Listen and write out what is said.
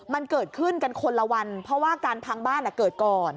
มันเกิดขึ้นกันคนละวันเพราะว่าการพังบ้านเกิดก่อน